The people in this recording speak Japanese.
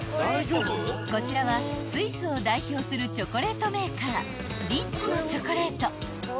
［こちらはスイスを代表するチョコレートメーカーリンツのチョコレート］